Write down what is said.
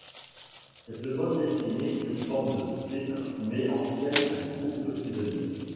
Cette bande dessinée sous forme de strip met en scène un groupe de prisonniers.